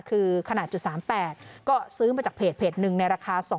คือขนาด๐๓๘ก็ซื้อมาจากเพจ๑ในราคา๒๐๐๐๐